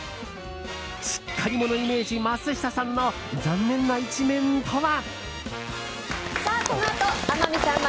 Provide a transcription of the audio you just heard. しっかり者イメージ松下さんの残念な一面とは？